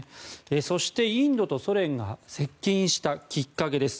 そしてインドとソ連が接近したきっかけです。